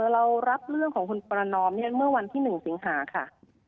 เรารับเรื่องของคุณประนอมเมื่อวันที่๑สิงหาค่ะ